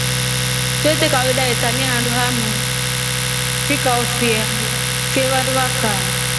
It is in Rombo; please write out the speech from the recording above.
Tute kawaida ya taamiya andu hamu vikao fya vye vandu vakaa.